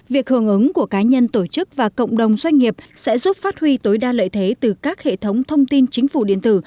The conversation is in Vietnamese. việc hưởng ứng của cá nhân tổ chức và cộng đồng doanh nghiệp sẽ giúp phát huy tối đa lợi thế từ các hệ thống thông tin chính phủ điện tử